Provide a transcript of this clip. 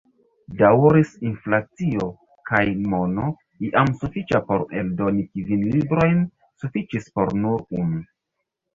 Daŭris inflacio, kaj mono, iam sufiĉa por eldoni kvin librojn, sufiĉis por nur unu.